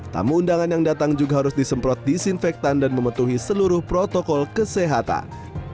tamu undangan yang datang juga harus disemprot disinfektan dan memetuhi seluruh protokol kesehatan